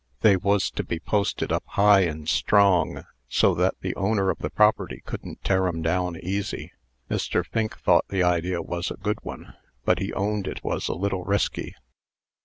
They was to be posted up high and strong, so that the owner of the property couldn't tear 'em down easy. Mr. Fink thought the idea was a good one; but he owned it was a little risky."